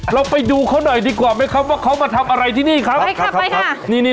เราไปดูเขาหน่อยดีกว่าไหมครับว่าเขามาทำอะไรที่นี่ครับ